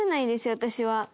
私は。